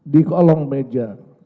di kolong meja